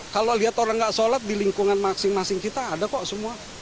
kalau lihat orang nggak sholat di lingkungan masing masing kita ada kok semua